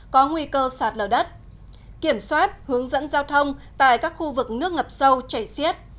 có nguy cơ sạt lở đất kiểm soát hướng dẫn giao thông tại các khu vực nước ngập sâu chảy xiết